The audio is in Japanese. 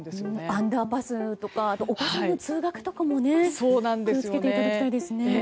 アンダーパスとかお子さんの通学とかも気を付けていただきたいですね。